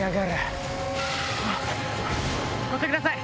乗ってください！